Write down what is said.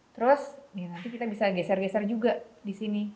terus nanti kita bisa geser geser juga disini